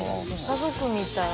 家族みたい。